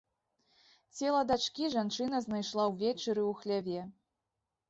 Цела дачкі жанчына знайшла ўвечары ў хляве.